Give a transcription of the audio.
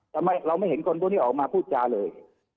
ทำไมเราไม่เห็นคนพวกนี้ออกมาพูดจาเลย